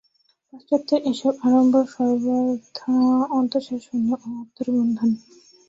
পাশ্চাত্যের এ-সব আড়ম্বর সর্বথা অন্তঃসারশূন্য ও আত্মার বন্ধন।